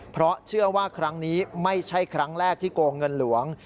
เพราะเชื่อว่าครั้งนี้ไม่ใช่ครั้งแรกที่โกงเงินหลวง